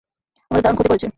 আমাদের দারুণ ক্ষতি করেছে।